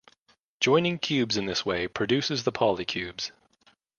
Joining cubes in this way produces the polycubes.